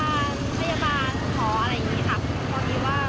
แต่ว่าส่วนลมส่วนมากก็จะเป็นธุรกิจพยาบาล